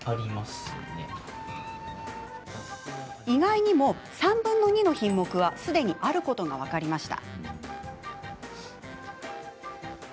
意外にも、３分の２の品目はすでにあることが分かりました。